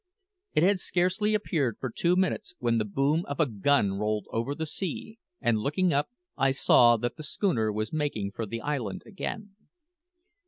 It had scarcely appeared for two minutes when the boom of a gun rolled over the sea, and looking up, I saw that the schooner was making for the island again.